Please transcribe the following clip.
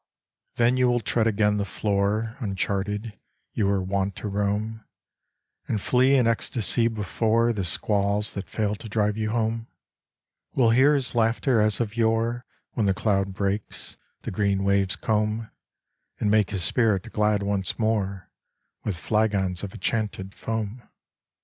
Then you will tread again the floor Uncharted you were wont to roam, And flee in ecstasy before The squalls that fail to drive you home : Will hear his laughter as of yore When the cloud breaks, the green waves comb, And make his spirit glad once more With flagons of enchanted foam